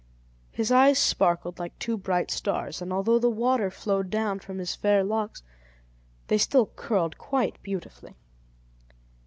His eyes sparkled like two bright stars, and although the water flowed down from his fair locks, they still curled quite beautifully.